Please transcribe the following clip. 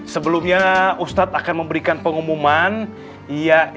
sebelumnya ustadz akan memberikan pembahasan untuk ustadz musa banggakan